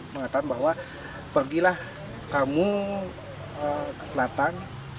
mengatakan bahwa pergilah kamu ke selatan